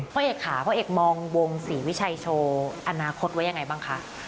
พ่อเอกค่ะพ่อเอกมองวงศรีวิชัยโชว์อนาคตไว้ยังไงบ้างคะ